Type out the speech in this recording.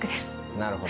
なるほど。